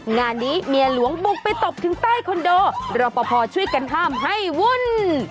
งานนี้เมียหลวงบุกไปตบถึงใต้คอนโดรอปภช่วยกันห้ามให้วุ่น